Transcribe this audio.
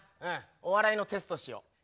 お笑いのテストしよう。